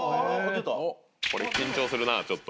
これ緊張するなあちょっと。